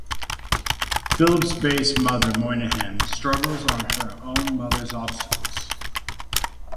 Phillips based Mother Moynihan's struggles on her own mother's obstacles.